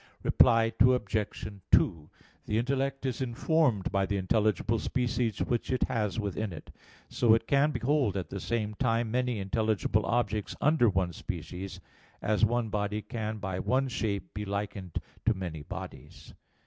Reply Obj. 2: The intellect is informed by the intelligible species which it has within it. So it can behold at the same time many intelligible objects under one species; as one body can by one shape be likened to many bodies.